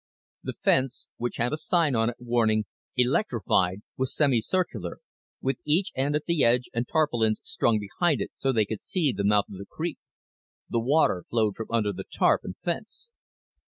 The fence, which had a sign on it, WARNING ELECTRIFIED, was semicircular, with each end at the edge and tarpaulins strung behind it so they could see the mouth of the creek. The water flowed from under the tarp and fence.